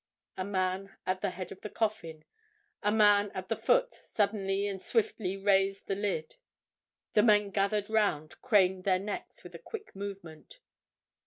A man at the head of the coffin, a man at the foot suddenly and swiftly raised the lid: the men gathered round craned their necks with a quick movement.